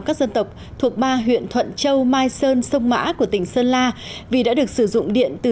các dân tộc thuộc ba huyện thuận châu mai sơn sông mã của tỉnh sơn la vì đã được sử dụng điện từ